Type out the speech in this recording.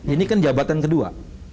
ini kan jabatan kedua